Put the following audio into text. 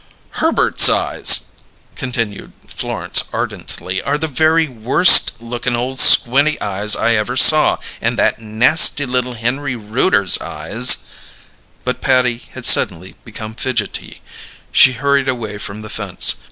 "Herbert's eyes," continued Florence, ardently, "are the very worst lookin' ole squinty eyes I ever saw, and that nasty little Henry Rooter's eyes " But Patty had suddenly become fidgety; she hurried away from the fence.